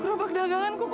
kerobak daganganku kok iya